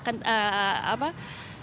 jalan tol ini masih ditutup